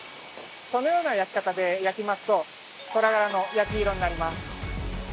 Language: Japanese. このような焼き方で焼きますとトラ柄の焼き色になります。